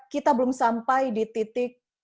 kita belum sampai di titik